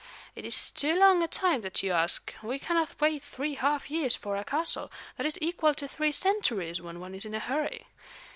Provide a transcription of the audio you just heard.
It is too long a time that you ask; we cannot wait three half years for our castle; that is equal to three centuries when one is in a hurry.